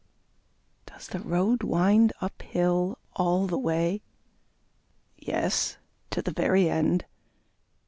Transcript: Does the road wind up hill all the way? Yes, to the very end.